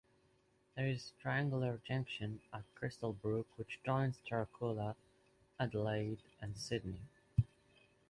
There is a triangular junction at Crystal Brook which joins Tarcoola, Adelaide and Sydney.